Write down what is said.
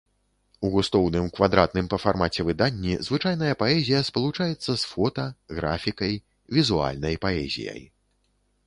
У густоўным, квадратным па фармаце выданні звычайная паэзія спалучаецца з фота, графікай, візуальнай паэзіяй.